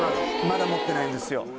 まだ持ってないんですよ。